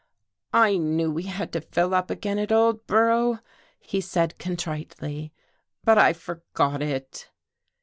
" I knew we had to fill up again at Old borough," he said contritely, " but I forgot it."